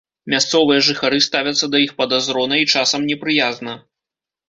Мясцовыя жыхары ставяцца да іх падазрона і часам непрыязна.